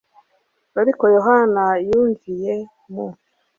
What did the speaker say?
ariko yohana yumviye mu